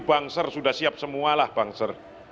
bangser sudah siap semualah bangser